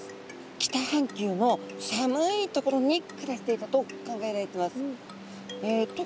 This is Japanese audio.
北半球の寒い所に暮らしていたと考えられてます。